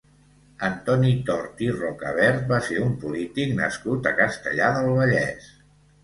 Antoni Tort i Rocavert va ser un polític nascut a Castellar del Vallès.